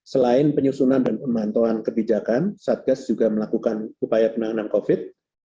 selain penyusunan dan pemantauan kebijakan satgas juga melakukan upaya penanganan covid